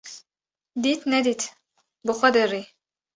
Dît nedît bi xwe de rî